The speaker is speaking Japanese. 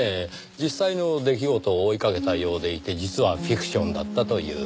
実際の出来事を追いかけたようでいて実はフィクションだったという。